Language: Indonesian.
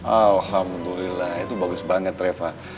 alhamdulillah itu bagus banget reva